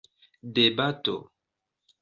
debato